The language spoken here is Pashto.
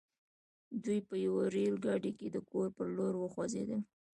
دوی په يوه ريل ګاډي کې د کور پر لور وخوځېدل.